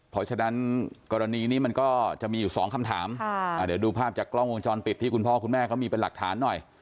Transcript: เพราะฉะนั้นกรณีนี้มันก็จะมีอยู่สองคำถามเดี๋ยวดูภาพจากกล้องวงจรปิดที่คุณพ่อคุณแม่เขามีเป็นหลักฐานหน่อย